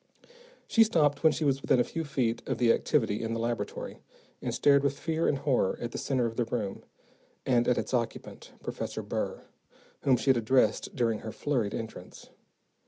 She stopped when she was within a few feet of the activity in the laboratory, and stared with fear and horror at the center of the room, and at its occupant, Professor Burr, whom she had addressed during her flurried entrance.